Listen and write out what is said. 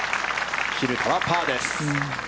蛭田はパーです。